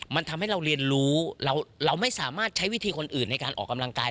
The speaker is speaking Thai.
มันทำให้เราเรียนรู้เราไม่สามารถใช้วิธีคนอื่นในการออกกำลังกาย